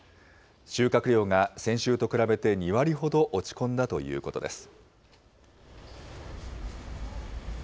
収穫量が先週と比べて２割ほど落ち込んだということです。